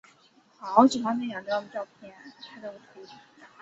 这些丘陵几乎都是用梯田耕种